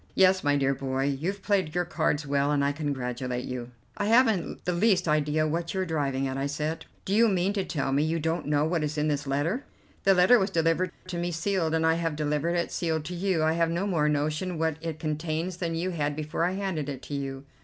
Yes, my dear boy, you've played your cards well, and I congratulate you." "I haven't the least idea what you are driving at," I said. "Do you mean to tell me you don't know what is in this letter?" "The letter was delivered to me sealed, and I have delivered it sealed to you. I have no more notion what it contains than you had before I handed it to you."